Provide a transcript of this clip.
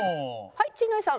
はい陣内さん。